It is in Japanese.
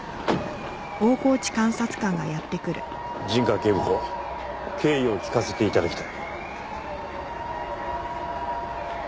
警部補経緯を聞かせて頂きたい。